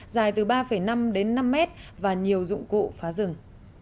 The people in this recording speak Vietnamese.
dài từ ba năm đến năm mét và nhiều dụng cụ phá rừng